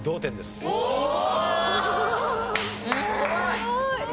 すごい！